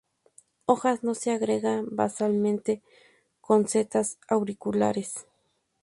Hojas no se agregan basalmente; con setas auriculares.